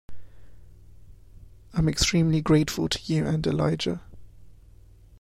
I’m extremely grateful to you and Elijah.